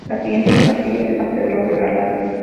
La siguiente es la capilla de San Pedro Regalado.